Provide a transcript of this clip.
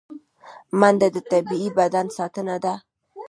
منډه د طبیعي بدن ساتنه ده